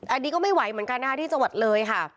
อันนี้ก็ไม่ไหวเหมือนกันนะคะที่จังหวัดเลยค่ะ